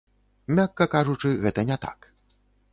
Мякка кажучы, гэта не так.